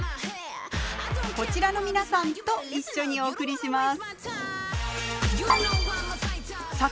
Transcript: こちらの皆さんと一緒にお送りします。